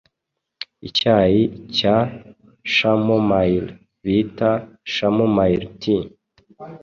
Icyayi cya chamomile bita chamomile tea